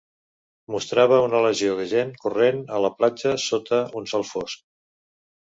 Mostrava una legió de gent corrent a la platja sota un sol fosc.